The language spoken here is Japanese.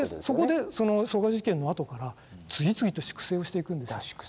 そこで曽我事件のあとから次々と粛清をしていくんですよ。